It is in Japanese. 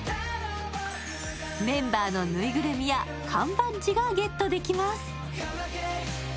メンバーのぬいぐるみや缶バッジがゲットできます。